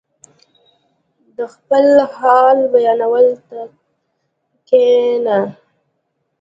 • د خپل حال بیانولو ته کښېنه.